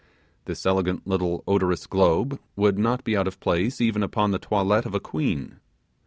This elegant little odorous globe would not be out of place even upon the toilette of a queen.